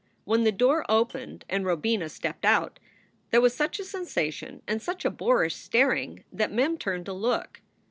When the door opened and Robina stepped out there was such a sensation and such a boorish staring that Mem turned to look.